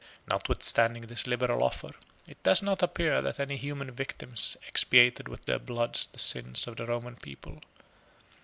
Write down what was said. Notwithstanding this liberal offer, it does not appear, that any human victims expiated with their blood the sins of the Roman people.